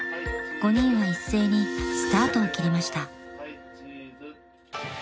［５人は一斉にスタートを切りました］